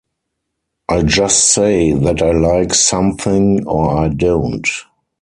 I just say that I like something or I don't.